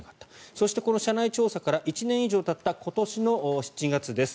そしてこの社内調査から１年以上たった今年の７月です。